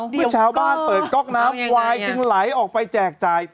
เมื่อชาวบ้านเปิดก๊อกน้ำควายจึงไหลออกไปแจกจ่าย